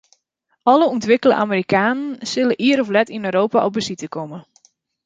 Alle ûntwikkele Amerikanen sille ier of let yn Europa op besite komme.